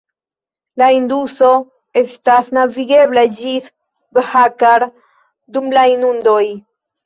La Induso estas navigebla ĝis Bhakar dum la inundoj.